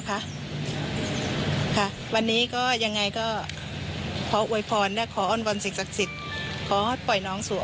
ขอให้ล้อสพ้นจากอันตรายทั้งปวง